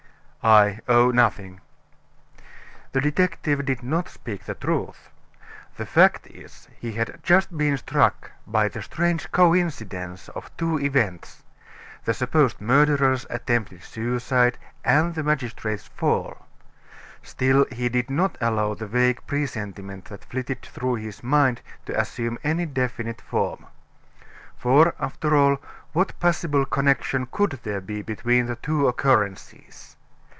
"I oh! nothing " The detective did not speak the truth. The fact is, he had just been struck by the strange coincidence of two events the supposed murderer's attempted suicide, and the magistrate's fall. Still, he did not allow the vague presentiment that flitted through his mind to assume any definite form. For after all, what possible connection could there be between the two occurrences?